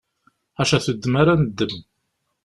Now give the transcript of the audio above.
Ḥaca tuddma ara neddem.